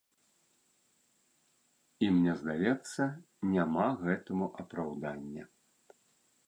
І мне здаецца, няма гэтаму апраўдання.